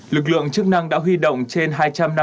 lực lượng chức năng đã huy động trên đường dây này